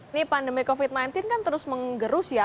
ini pandemi covid sembilan belas kan terus menggerus ya